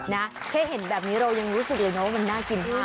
แค่เห็นแบบนี้เรายังรู้สึกเลยนะว่ามันน่ากินมาก